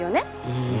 うん。